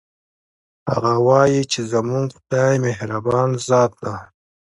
هغه وایي چې زموږ خدایمهربان ذات ده